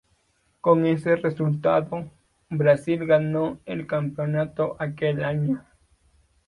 Con ese resultado, Brasil ganó el campeonato aquel año.